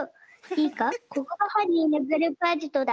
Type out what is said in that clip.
いいかここがはんにんのグループアジトだ。